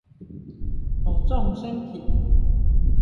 保重身體